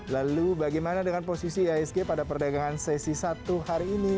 lalu bagaimana dengan posisi iasg pada perdagangan sesi satu hari ini